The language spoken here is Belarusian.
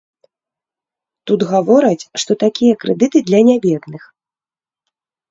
Тут гавораць, што такія крэдыты для нябедных.